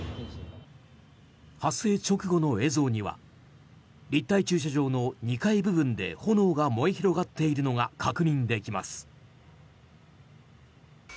発生直後の映像には立体駐車場の２階部分で炎が燃え広がっているのが確認できます。